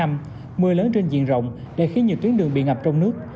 mưa lớn trên diện rộng đã khiến nhiều tuyến đường bị ngập trong nước